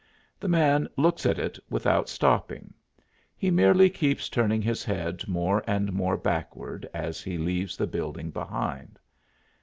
The man looks at it without stopping; he merely keeps turning his head more and more backward as he leaves the building behind.